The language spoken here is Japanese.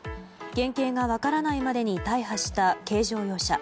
原形が分からないまでに大破した軽乗用車。